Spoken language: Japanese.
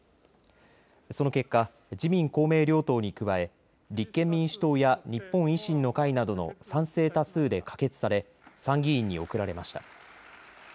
その結果、自民公明両党に加え立憲民主党や日本維新の会などの賛成多数で可決され参議院に送られました。